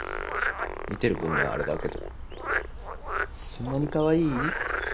見てる分にはあれだけどそんなにかわいい？